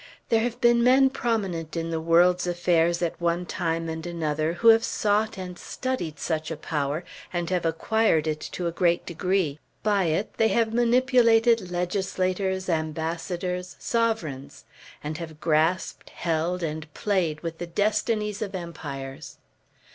There have been men prominent in the world's affairs at one time and another, who have sought and studied such a power and have acquired it to a great degree. By it they have manipulated legislators, ambassadors, sovereigns; and have grasped, held, and played with the destinies of empires.